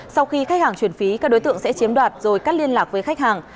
sau khi khách hàng chuyển phí các đối tượng sẽ chiếm đoạt rồi cắt liên lạc với khách hàng